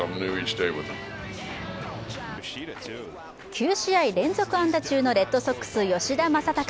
９試合連続安打中のレッドソックス、吉田正尚。